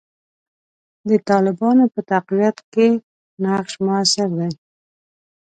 د طالبانو په تقویت کې نقش موثر دی.